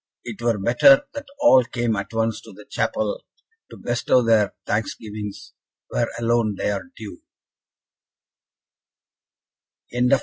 It were better that all came at once to the chapel, to bestow their thanksgivings where alone they are due."